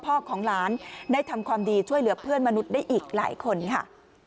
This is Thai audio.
ของหลานได้ทำความดีช่วยเหลือเพื่อนมนุษย์ได้อีกหลายคนค่ะ